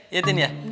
iya tin ya